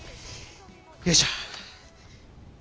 よいしょ。